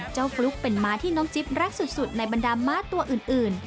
ฟลุ๊กเป็นม้าที่น้องจิ๊บรักสุดในบรรดาม้าตัวอื่น